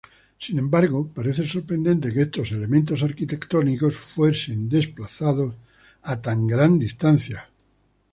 Sin embargo, parece sorprendente que estos elementos arquitectónicos fuesen desplazado tan gran distancia.